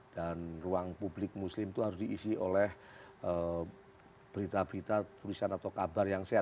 dan ruang publik muslim itu harus diisi oleh berita berita tulisan atau kabar yang sehat